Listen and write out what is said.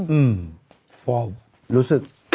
อือหื้อมรู้สึก